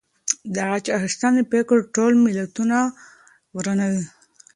د غچ اخیستنې فکر ټول ملتونه ورانوي.